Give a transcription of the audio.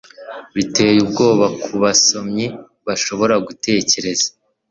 biteye ubwoba kubasomyi bashobora gutekereza